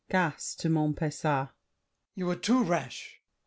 GASSÉ (to Montpesat). You are too rash!